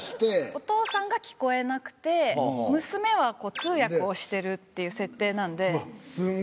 お父さんが聞こえなくて娘は通訳をしてるっていう設定なんで。